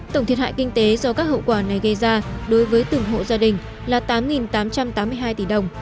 tổng thiệt hại kinh tế do các hậu quả này gây ra đối với từng hộ gia đình là tám tám trăm tám mươi hai tỷ đồng